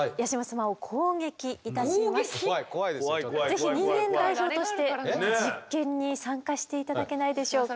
ぜひ人間代表として実験に参加して頂けないでしょうか。